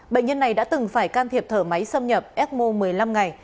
bệnh nhân này đã từng phải can thiệp thở máy xâm nhập ecmo một mươi năm ngày